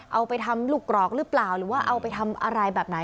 เอาไปทำลูกกรอกหรือเปล่าหรือว่าเอาไปทำอะไรแบบไหน